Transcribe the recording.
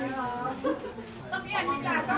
ขอบคุณนะคะ